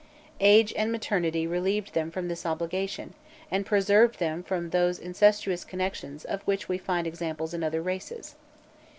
Age and maternity relieved them from this obligation, and preserved them from those incestuous connections of which we find examples in other races.